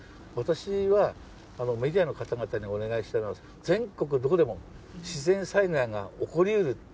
私は、メディアの方々にお願いしたいのは、全国どこでも、自然災害が起こりうる。